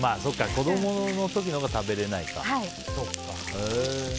子供の時のほうが食べられないか。